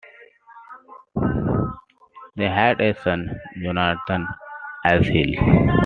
They had a son, Jonathan S Hill.